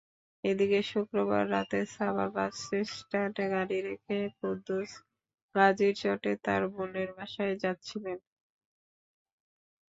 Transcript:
এদিকে শুক্রবার রাতে সাভার বাসস্ট্যান্ডে গাড়ি রেখে কুদ্দুস গাজীরচটে তাঁর বোনের বাসায় যাচ্ছিলেন।